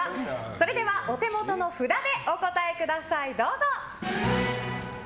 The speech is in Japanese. それではお手元の札でお答えください。